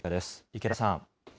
池田さん。